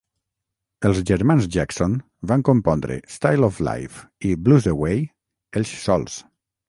Els germans Jackson van compondre "Style of Life" i "Blues Away" ells sols.